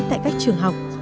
tại các trường học